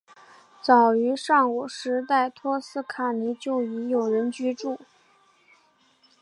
早于上古时代托斯卡尼就已有人居住。